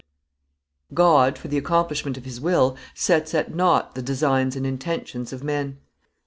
God, for the accomplishment of his will, sets at nought the designs and intentions of men.